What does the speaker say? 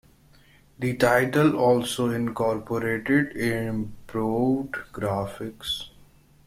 The title also incorporated improved graphics.